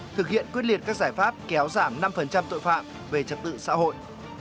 thực hiện quyết liệt các giải pháp kéo giảm năm tội phạm về trật tự xã hội